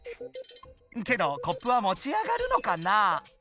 けどコップはもち上がるのかな？